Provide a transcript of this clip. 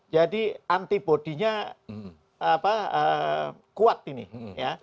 jadi anti bodinya kuat ini ya